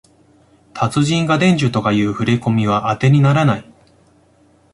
達人が伝授とかいうふれこみはあてにならない